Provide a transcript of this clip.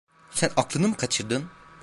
Sen aklını mı kaçırdın?